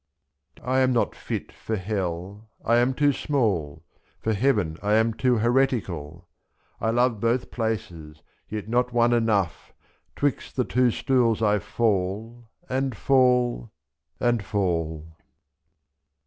I am not fit for hell — I am too small; For heaven I am too heretical; i^i*A love both places, yet not one enough — 'Twixt the two stools I fall, and fall, and fall.